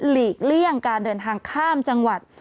ลีกเลี่ยงการเดินทางข้ามจังหวัด